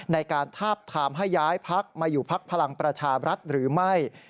ในการถามให้ย้ายภักดิ์มาอยู่ภักดิ์พลังประชาบรัฐหรือไม่